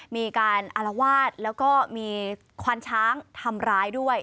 มีการอารวาสแล้วก็มีควานช้างทำร้ายด้วย